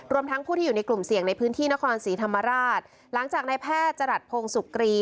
ทั้งผู้ที่อยู่ในกลุ่มเสี่ยงในพื้นที่นครศรีธรรมราชหลังจากในแพทย์จรัสพงศ์สุกรี